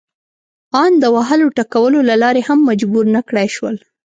ان د وهلو ټکولو له لارې هم مجبور نه کړای شول.